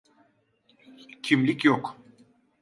Kimlik yok.